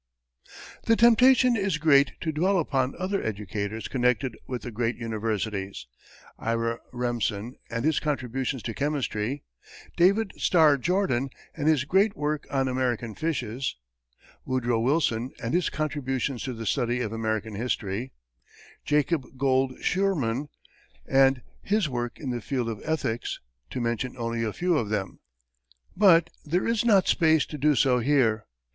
The temptation is great to dwell upon other educators connected with the great universities: Ira Remsen, and his contributions to chemistry; David Starr Jordan, and his great work on American fishes; Woodrow Wilson, and his contributions to the study of American history; Jacob Gould Schurman, and his work in the field of ethics; to mention only a few of them but there is not space to do so here.